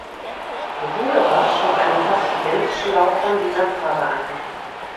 Bruderer schlug eine fast identische Laufbahn wie sein Vater ein.